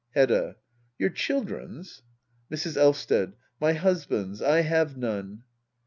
Hedda. Your children's } Mrs. Elvsted. My husband's. I have none.